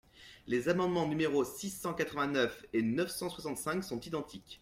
Les amendements numéros six cent quatre-vingt-neuf et neuf cent soixante-cinq sont identiques.